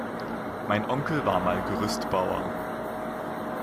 Mein Onkel war mal Gerüstbauer.